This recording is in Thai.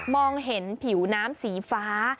เห็นผิวน้ำสีฟ้า